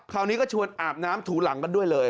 คราวนี้ก็ชวนอาบน้ำถูหลังกันด้วยเลย